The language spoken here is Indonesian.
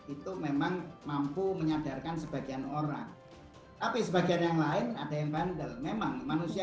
itu memang mampu menyadarkan sebagian orang tapi sebagian yang lain ada yang bandel memang manusia